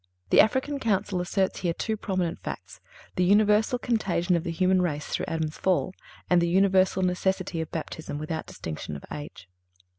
(343) The African Council asserts here two prominent facts—the universal contagion of the human race through Adam's fall, and the universal necessity of Baptism without distinction of age.